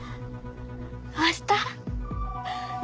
あした？